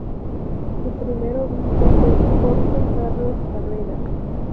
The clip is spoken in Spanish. Su primer obispo fue Jorge Carlos Carreras.